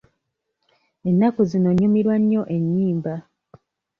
Ennaku zino nnyumirwa nnyo ennyimba.